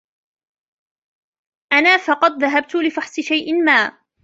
أنا فقط ذهبت لفحص شيئا ما.